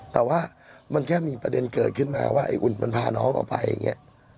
แต่ว่ามันแค่มีประเด็นเกิดขึ้นมาว่าไอ้อุ่นมันพาน้องออกไปอย่างนี้